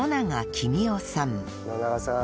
野永さん。